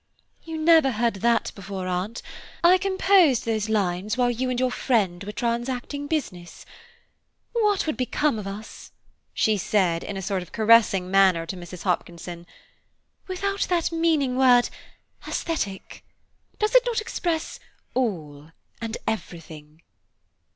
"You never heard that before, Aunt. I composed those lines while you and your friend were transacting business. What would become of us," she said in a sort of caressing manner to Mrs. Hopkinson, "without that meaning word aesthetic? Does not it express all and everything?"